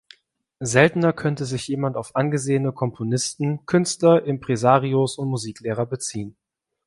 Seltener könnte sich jemand auf angesehene Komponisten, Künstler, Impresarios und Musiklehrer beziehen.